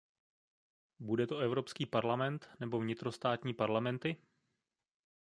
Bude to Evropský parlament, nebo vnitrostátní parlamenty?